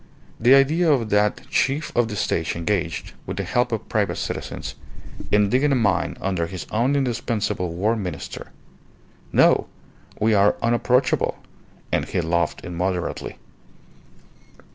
The idea of that Chief of the State engaged, with the help of private citizens, in digging a mine under his own indispensable War Minister. No! We are unapproachable!" And he laughed immoderately.